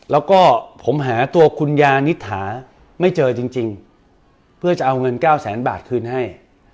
แล้วก็ผมหาตัวคุณยานิษฐาไม่เจอจริงเพื่อจะเอาเงินเก้าแสนบาทคืนให้